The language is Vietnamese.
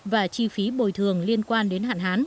và chi phí bồi thường liên quan đến hạn hán